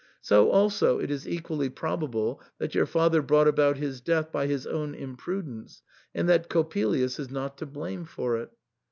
So also it is equally probable that your father brought about his death by feis own imprudence, and that Coppelius is not to blame for it.